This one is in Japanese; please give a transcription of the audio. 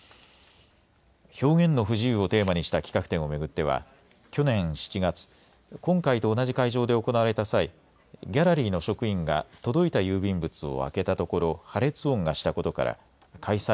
表現の不自由をテーマにした企画展を巡っては去年７月、今回と同じ会場で行われた際、ギャラリーの職員が届いた郵便物を開けたところ破裂音がしたことから開催